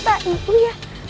tak ibu ya